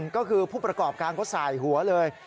ก็คือผู้ประกอบการเขาสายหัวเลย